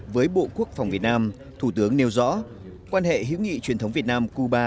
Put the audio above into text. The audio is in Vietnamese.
với bộ quốc phòng việt nam thủ tướng nêu rõ quan hệ hữu nghị truyền thống việt nam cuba